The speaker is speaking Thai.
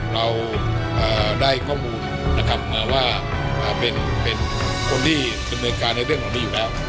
เราได้ข้อมูลนะครับว่ามันเป็นคนที่เฉยในเรื่องของนี้อยู่แล้ว